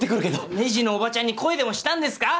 レジのおばちゃんに恋でもしたんですか？